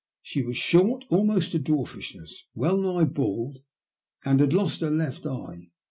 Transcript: She was short almost to dwarfishness, well nigh bald, and had lost her left eye.